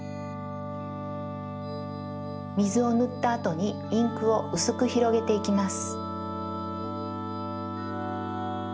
みずをぬったあとにインクをうすくひろげていきます。